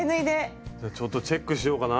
じゃあちょっとチェックしようかな。